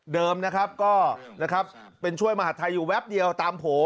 นะครับก็นะครับเป็นช่วยมหาดไทยอยู่แวบเดียวตามโผล่